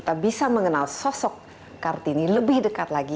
kami ingin mengenal sasaran kartini lebih dekat lagi